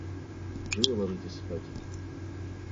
Живо ложитесь спать.